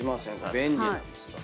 便利なんですから。